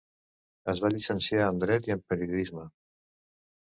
Es va llicenciar en Dret i en Periodisme.